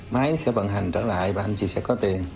máy sẽ vận hành trở lại và anh chị sẽ có tiền